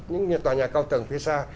những tòa nhà cao tầng phía xa